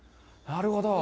なるほど。